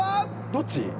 どっち？